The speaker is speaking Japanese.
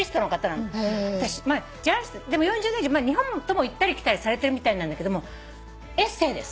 ４０年以上日本行ったり来たりされてるみたいなんだけどもエッセーです。